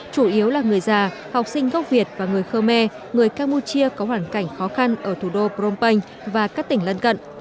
chủ yếu là người già học sinh gốc việt và người khmer người campuchia có hoàn cảnh khó khăn ở thủ đô brom penh và các tỉnh lân cận